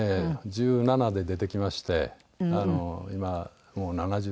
１７で出てきまして今もう７０ですからね。